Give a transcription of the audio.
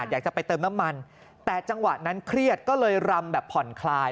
อยากจะไปเติมน้ำมันแต่จังหวะนั้นเครียดก็เลยรำแบบผ่อนคลาย